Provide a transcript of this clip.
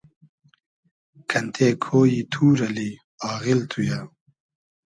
کئنتې کۉیی توور اللی آغیل تو یہ